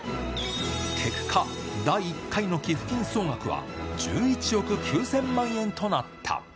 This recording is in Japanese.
結果、第１回の寄付金総額は１１億９０００万円となった。